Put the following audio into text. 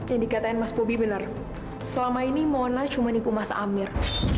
ini katanya mas pobi bener selama ini mona cuma nipu mas amir